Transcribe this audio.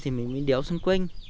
thì mình mới đéo xung quanh